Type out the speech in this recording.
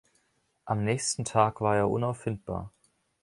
Am nächsten Tag war er unauffindbar.